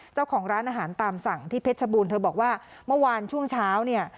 เจ้าของร้านอาหารตามสั่งที่เพชรชบูรณ์เธอบอกว่าเมื่อวานช่วงเช้าเนี่ย